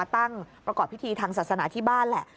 ประกอบพิธีทางศาสนาที่บ้านแหละ